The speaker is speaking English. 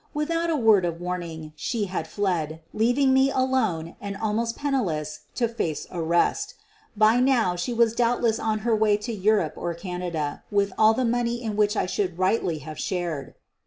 Without a word of warning she had fled, leaving me alone and almost penniless to face arrest. By now she was doubtless on her way to Europe or Canada with all the money in which I should rightfully have shared.